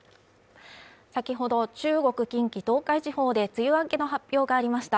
先ほど中国・近畿・東海地方で梅雨明けの発表がありました